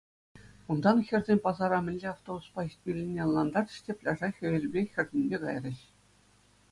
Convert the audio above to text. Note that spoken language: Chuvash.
Унтан хӗрсем пасара мӗнле автобуспа ҫитмеллине ӑнлантарчӗҫ те пляжа хӗвелпе хӗртӗнме кайрӗҫ.